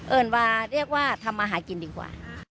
เอิญว่าเรียกว่าทำมาหากินดีกว่า